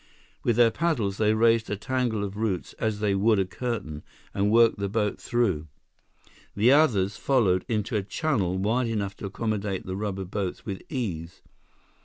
With their paddles, they raised a tangle of roots as they would a curtain, and worked the boat through. The others followed into a channel wide enough to accommodate the rubber boats with ease.